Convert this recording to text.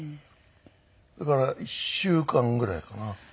だから１週間ぐらいかな。